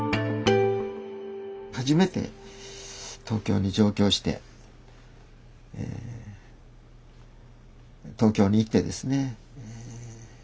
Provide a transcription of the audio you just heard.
初めて東京に上京して東京に行ってですね